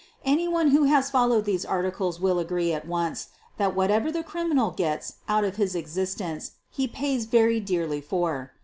Anyone who has followed these articles will agree at once that whatever the criminal gets out of his existence he pays very dearly for.